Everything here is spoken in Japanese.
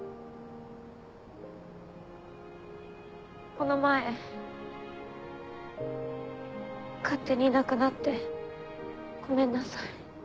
この前勝手にいなくなってごめんなさい。